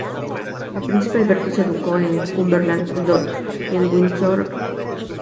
El príncipe Alberto se educó en Cumberland Lodge en Windsor Great Park.